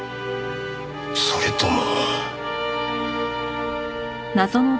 それとも。